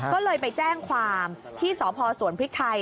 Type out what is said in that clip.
ก็เลยไปแจ้งความที่สพสวนพริกไทย